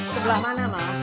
sebelah mana ma